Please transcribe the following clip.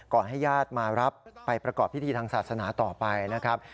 ให้ญาติมารับไปประกอบพิธีทางศาสนาต่อไปนะครับ